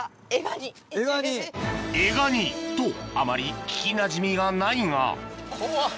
「エガニ」とあまり聞きなじみがないが怖っ。